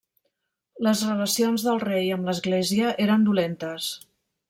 Les relacions del rei amb l'Església eren dolentes.